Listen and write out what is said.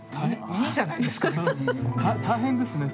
いいじゃないですか。